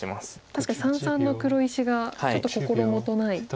確かに三々の黒石がちょっと心もとないですかね。